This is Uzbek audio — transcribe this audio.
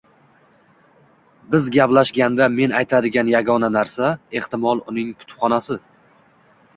Biz gaplashganda men aytadigan yagona narsa, ehtimol, uning kutubxonasi.